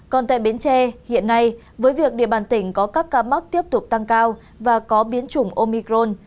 còn tại bến tre hiện nay với việc địa bàn tỉnh có các ca mắc tiếp tục tăng cao và có biến chủng omicron